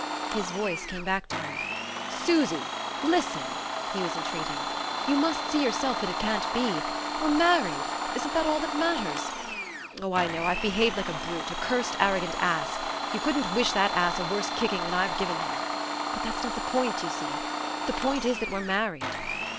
His voice came back to her. "Susy! Listen!" he was entreating. "You must see yourself that it can't be. We're married isn't that all that matters? Oh, I know I've behaved like a brute: a cursed arrogant ass! You couldn't wish that ass a worse kicking than I've given him! But that's not the point, you see. The point is that we're married....